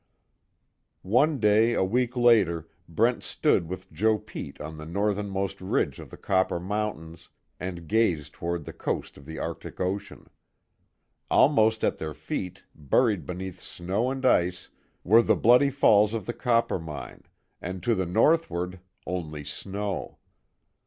One day a week later Brent stood with Joe Pete on the northernmost ridge of the Copper Mountains and gazed toward the coast of the Arctic Ocean. Almost at their feet, buried beneath snow and ice were the Bloody Falls of the Coppermine and to the northward, only snow.